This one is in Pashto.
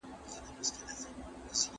کاشکې تېر وخت بېرته راګرځېدلی وای.